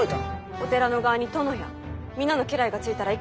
お寺の側に殿や皆の家来がついたらいかがします？